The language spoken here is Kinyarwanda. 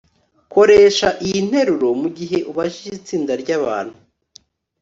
koresha iyi nteruro mugihe ubajije itsinda ryabantu